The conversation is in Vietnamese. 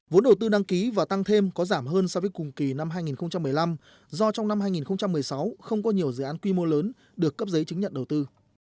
vốn đầu tư đăng ký và tăng thêm có giảm hơn so với cùng kỳ năm hai nghìn một mươi năm do trong năm hai nghìn một mươi sáu không có nhiều dự án quy mô lớn được cấp giấy chứng nhận đầu tư